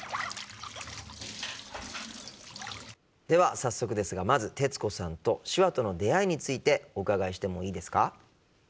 では早速ですがまず徹子さんと手話との出会いについてお伺いしてもいいですか？